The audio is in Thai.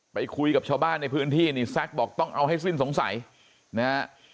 ไปคุยกับชาวบ้านในพื้นที่นี่แซ็กบอกต้องเอาให้สิ้นสงสัยนะฮะ